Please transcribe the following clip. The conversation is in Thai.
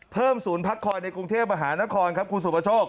ศูนย์พักคอยในกรุงเทพมหานครครับคุณสุประโชค